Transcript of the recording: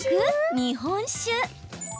日本酒。